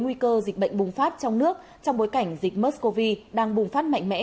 nguy cơ dịch bệnh bùng phát trong nước trong bối cảnh dịch mất covid đang bùng phát mạnh mẽ